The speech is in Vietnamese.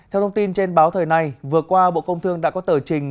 theo thông tin trên báo thời nay vừa qua bộ công thương đã có tờ trình